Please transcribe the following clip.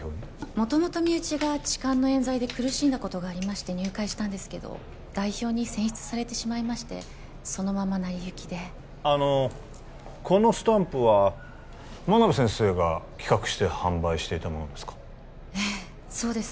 元々身内が痴漢の冤罪で苦しんだことがありまして入会したんですけど代表に選出されてしまいましてそのまま成り行きであのこのスタンプは真鍋先生が企画して販売していたものですかええそうです